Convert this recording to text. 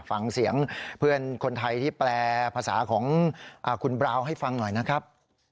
ฟังเสียงเพื่อนคนไทยที่แปลภาษาของคุณบราวให้ฟังหน่อยนะครับ